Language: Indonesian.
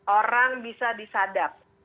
orang bisa disadap